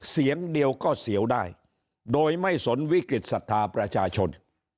เสียงเดียวก็เสียวได้โดยไม่สนวิกฤตศรัทธาประชาชน